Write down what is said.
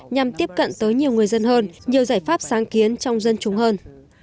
nhằm tiếp cận tới nhiều người dân hơn nhiều giải pháp sáng kiến trong dân chúng hơn